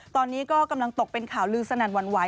ตอนนี้ก็กำลังตกเป็นข่าวลือสนั่นหวั่นไหว